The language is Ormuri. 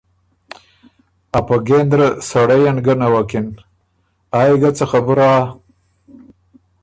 ا په ګېندره سړئ ن ګه نوکِن، آ يې ګۀ څه خبُره هۀ؟“